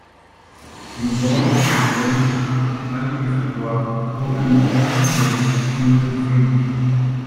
En Bound for Glory, Allie rescató Hogan del Undead Reino.